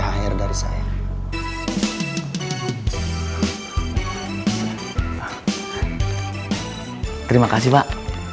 terima kasih pak